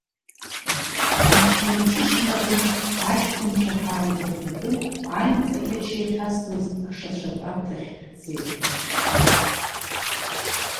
Аҽны мҽышан аҟынтә, аҷкәынцәа ҳааибаргәытәын, аимҵакәача иахьасуаз Ашацәа ртәарҭахь ҳцеит.